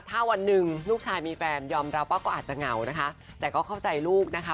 ถ้าวันหนึ่งลูกชายมีแฟนยอมรับว่าก็อาจจะเหงานะคะแต่ก็เข้าใจลูกนะคะ